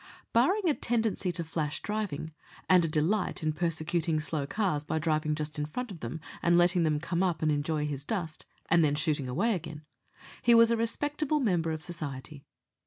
Barring a tendency to flash driving, and a delight in persecuting slow cars by driving just in front of them and letting them come up and enjoy his dust, and then shooting away again, he was a respectable member of society.